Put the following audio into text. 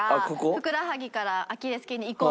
ふくらはぎからアキレス腱に移行する部分。